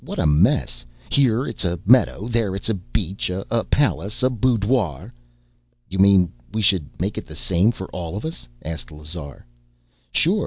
What a mess! Here, it's a meadow, there it's a beach, a palace, a boudoir." "You mean we should make it the same for all of us?" asked Lazar. "Sure.